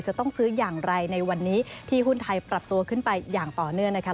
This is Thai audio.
จะต้องซื้ออย่างไรในวันนี้ที่หุ้นไทยปรับตัวขึ้นไปอย่างต่อเนื่องนะคะ